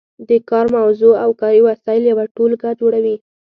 د کار موضوع او کاري وسایل یوه ټولګه جوړوي.